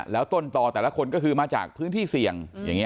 แล้วต้นตอแต่ละคนก็คือมาจากพื้นที่เสี่ยง